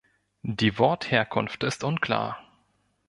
Die Wortherkunft ist unklar.